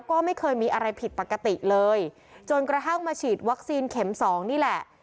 ก็ไม่เคยมีอะไรผิดปกติเลยจนกระทั่งมาฉีดวัคซีนเข็มสองนี่แหละ